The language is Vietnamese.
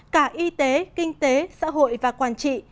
cả y tế kinh tế xã hội và quản trị